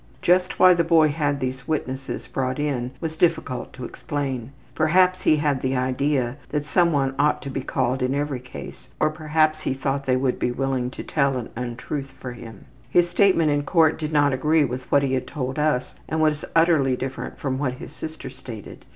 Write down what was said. Just why the boy had these witnesses brought in was difficult to explain. Perhaps he had the idea that some one ought to be called in every case, or perhaps he thought they would be willing to tell an untruth for him. His statement in court did not agree with what he had told us and was utterly different from what his sister stated.